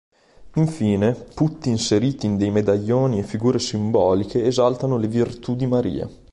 Infine, putti inseriti in dei medaglioni e figure simboliche esaltano le "Virtù" di Maria.